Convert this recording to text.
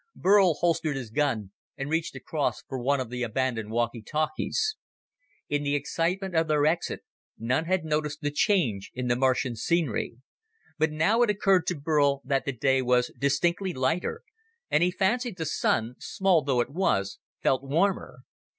Burl holstered his gun and reached across for one of the abandoned walkie talkies. In the excitement of their exit, none had noticed the change in the Martian scenery. But now it occurred to Burl that the day was distinctly lighter, and he fancied the Sun small though it was felt warmer.